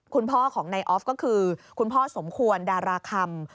คุณพ่อของนายออฟก็คือคุณพ่อสมควรดาราคำ